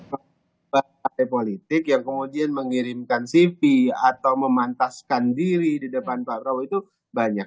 banyak pun yang mengusulkan partai politik yang kemudian mengirimkan sivi atau memantaskan diri di depan pak prabowo itu banyak